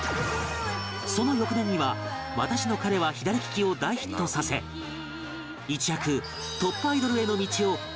その翌年には『わたしの彼は左きき』を大ヒットさせ一躍トップアイドルへの道を駆け上がっていった